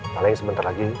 malah yang sebentar lagi